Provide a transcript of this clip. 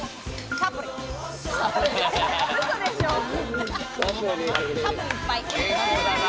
サプリいっぱい！